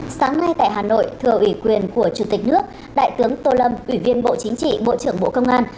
sáng nay tại hà nội thừa ủy quyền của chủ tịch nước đại tướng tô lâm ủy viên bộ chính trị bộ trưởng bộ công an